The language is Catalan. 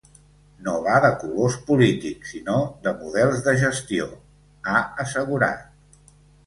“No va de colors polítics, sinó de models de gestió”, ha assegurat.